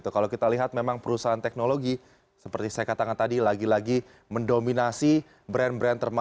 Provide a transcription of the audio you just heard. kalau kita lihat memang perusahaan teknologi seperti saya katakan tadi lagi lagi mendominasi brand brand terbaik